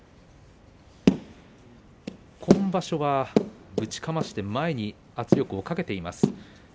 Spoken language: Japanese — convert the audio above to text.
今場所はぶちかまして前に圧力をかけています。